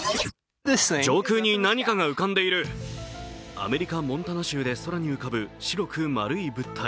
アメリカ・モンタナ州で空に浮かぶ白く丸い物体。